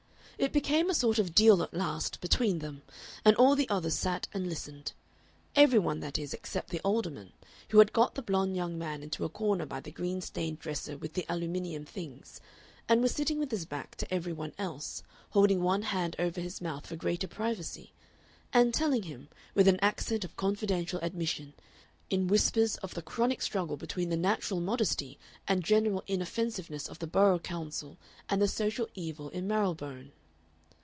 It became a sort of duel at last between them, and all the others sat and listened every one, that is, except the Alderman, who had got the blond young man into a corner by the green stained dresser with the aluminum things, and was sitting with his back to every one else, holding one hand over his mouth for greater privacy, and telling him, with an accent of confidential admission, in whispers of the chronic struggle between the natural modesty and general inoffensiveness of the Borough Council and the social evil in Marylebone.